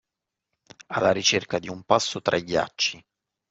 Alla ricerca di un passo tra i ghiacci.